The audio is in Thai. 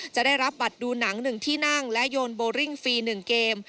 จะได้รับบัตรดูหนัง๑ที่นั่งและโยนโบริ่งฟรี๑เกม